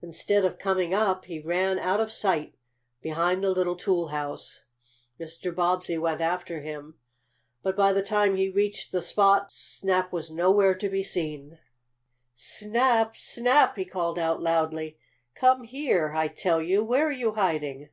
Instead of coming up he ran out of sight behind the little toolhouse. Mr. Bobbsey went after him, but by the time he reached the spot Snap was nowhere to be seen. "Snap! Snap!" he called out loudly. "Come here, I tell you! Where are you hiding?"